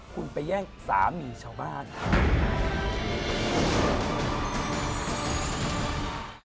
คุณไปแย่งสามีชาวบ้านครับ